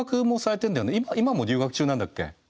今も留学中なんだっけ？